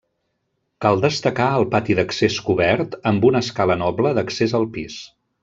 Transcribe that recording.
Cal destacar el pati d'accés cobert, amb una escala noble d'accés al pis.